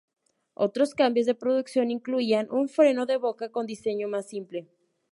Otros cambios de producción incluían un freno de boca con diseño más simple.